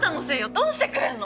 どうしてくれるの！？